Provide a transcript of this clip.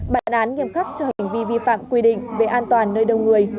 bản án nghiêm khắc cho hành vi vi phạm quy định về an toàn nơi đông người